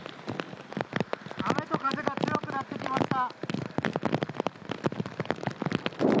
雨と風が強くなってきました。